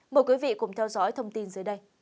mời quý vị cùng theo dõi thông tin dưới đây